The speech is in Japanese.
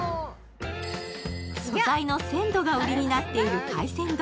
素材の鮮度が売りになっている海鮮丼。